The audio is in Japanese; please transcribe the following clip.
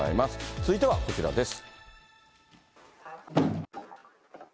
続いてはこちらです。